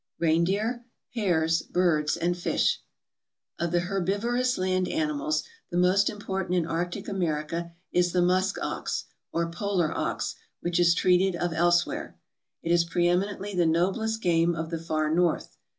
Reindeer, Hares, Birds, and Fish Of the herbivorous land animals the most important in Arctic America is the musk ox, or polar ox, which is treated of elsewhere. It is preeminently the noblest game of the far North.